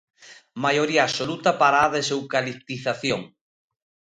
Maioría absoluta para a deseucaliptización.